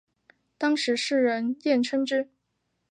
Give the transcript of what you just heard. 当时世人艳称之。